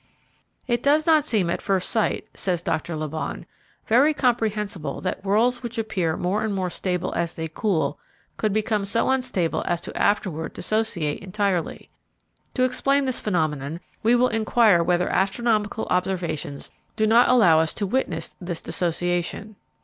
_ "It does not seem at first sight," says Doctor Le Bon, very comprehensible that worlds which appear more and more stable as they cool could become so unstable as to afterward dissociate entirely. To explain this phenomenon, we will inquire whether astronomical observations do not allow us to witness this dissociation.